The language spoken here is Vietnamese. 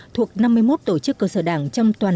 thuộc năm mươi một tổ chức cơ sở đảng trong toàn